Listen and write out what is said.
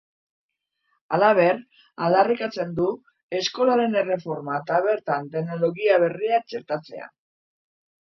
Halaber, aldarrikatzen du eskolaren erreforma eta bertan teknologia berriak txertatzea.